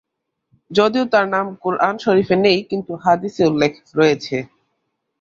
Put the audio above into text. যদিও তার নাম কুরআন শরীফে নেই, কিন্তু হাদিসে উল্লেখ রয়েছে।